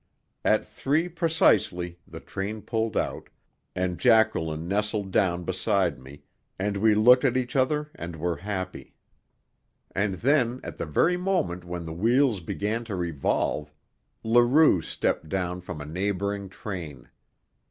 At three precisely the train pulled out, and Jacqueline nestled down beside me, and we looked at each other and were happy. And then, at the very moment when the wheels began to revolve, Leroux stepped down from a neighbouring train.